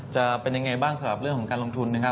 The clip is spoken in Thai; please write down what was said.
จะเป็นยังไงบ้างสำหรับเรื่องของการลงทุนนะครับ